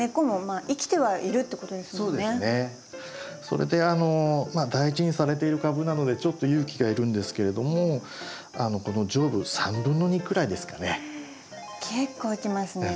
それで大事にされている株なのでちょっと勇気がいるんですけれどもこの上部2/3くらいですかね。